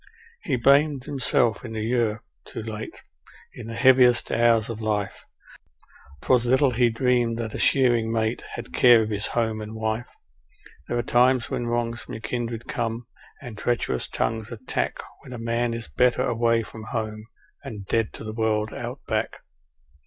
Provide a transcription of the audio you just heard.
He blamed himself in the year 'Too Late' in the heaviest hours of life 'Twas little he dreamed that a shearing mate had care of his home and wife; There are times when wrongs from your kindred come, and treacherous tongues attack When a man is better away from home, and dead to the world, Out Back.